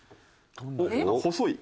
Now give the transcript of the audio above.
細い。